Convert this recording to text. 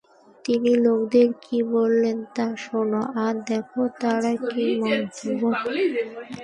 তিনি লোকদের কি বলেন তা শোনো, আর দেখো তারা কী মন্তব্য করে।